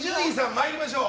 参りましょう。